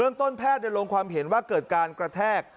ต้นแพทย์ลงความเห็นว่าเกิดการกระแทก